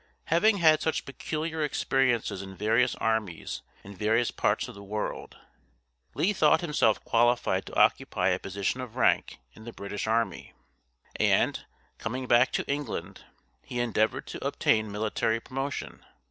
Having had such peculiar experiences in various armies and various parts of the world, Lee thought himself qualified to occupy a position of rank in the British army, and, coming back to England, he endeavored to obtain military promotion.